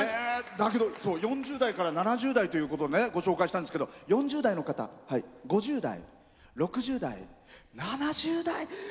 ４０代から７０代ということでご紹介したんですけど４０代の方、５０代、６０代７０代。